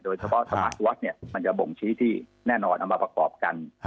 โดยเฉพาะสมัครวัดเนี่ยมันจะบ่งชี้ที่แน่นอนเอามาประกอบกัน